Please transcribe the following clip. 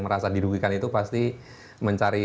merasa dirugikan itu pasti mencari